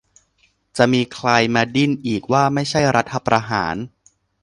จะมีใครมาดิ้นอีกว่าไม่ใช่รัฐประหาร